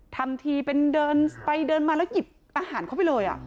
ทำทีไปเดินมาแล้วหยิบอาหารเขาไปเลย